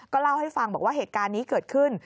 เล่าให้ฟังบอกว่าเหตุการณ์นี้เกิดขึ้น